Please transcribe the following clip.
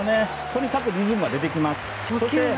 とにかくリズムが出てきます。